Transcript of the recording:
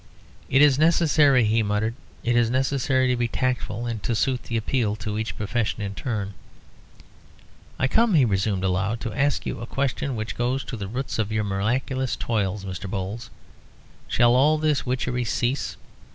"It is necessary," he muttered "it is necessary to be tactful, and to suit the appeal to each profession in turn." "I come," he resumed aloud, "to ask you a question which goes to the roots of your miraculous toils. Mr. Bowles, shall all this witchery cease?"